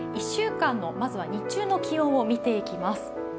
１週間の日中の気温をまず見ていきます。